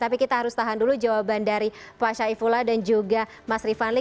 tapi kita harus tahan dulu jawaban dari pak syaifullah dan juga mas rifanli